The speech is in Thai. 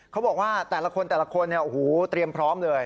เขาบอกว่าแต่ละคนเนี่ยโอ้โฮตรียมพร้อมเลย